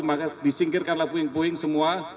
maka disingkirkanlah puing puing semua